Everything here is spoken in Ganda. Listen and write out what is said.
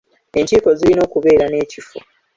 Enkiiko zirina okubeera n'ekifo.